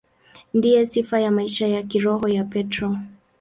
Ndiyo sifa ya maisha ya kiroho ya Petro.